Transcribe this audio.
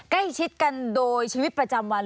ใกล้ชิดกันโดยชีวิตประจำวัน